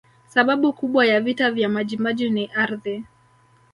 sababu kubwa ya vita vya majimaji ni ardhi